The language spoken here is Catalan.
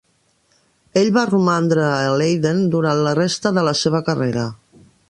Ell va romandre a Leiden durant la resta de la seva carrera.